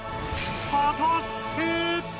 はたして！